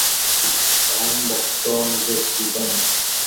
Tom Boston গেছিলেন।